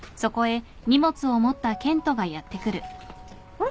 あれ？